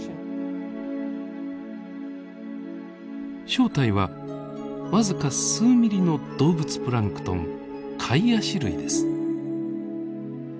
正体は僅か数ミリの動物プランクトンカイアシ類です。